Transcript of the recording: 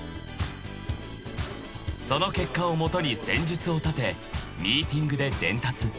［その結果を基に戦術を立てミーティングで伝達］